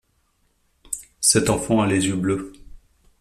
Cet enfant a les yeux bleus.